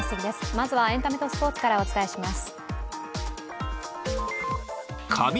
まずはエンタメとスポーツからお伝えします。